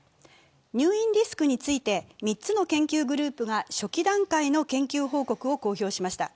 入院リスクについて３つの研究グループが初期段階の研究報告を報告しました。